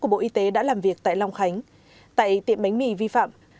bộ y tế đã làm việc tại long khánh tại tiệm bánh mì vi phạm